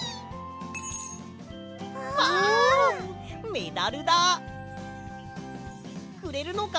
メダルだ！くれるのか？